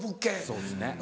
そうですね。